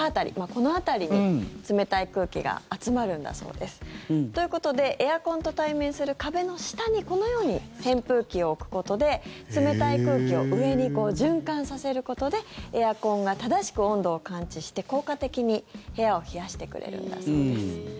この辺りに冷たい空気が集まるんだそうです。ということでエアコンと対面する壁の下にこのように扇風機を置くことで冷たい空気を上に循環させることでエアコンが正しく温度を感知して効果的に部屋を冷やしてくれるんだそうです。